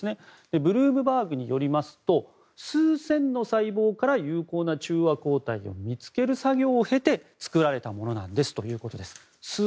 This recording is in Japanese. ブルームバーグによりますと数千の細胞から有効な中和抗体を見つける作業を経て作られたものということです。